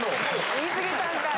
・言い過ぎたんかい